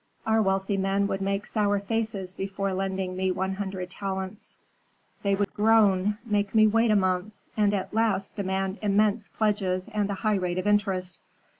Our wealthy men would make sour faces before lending me one hundred talents; they would groan, make me wait a month, and at last demand immense pledges and a high rate of interest.